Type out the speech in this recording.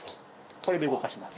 これで動かします。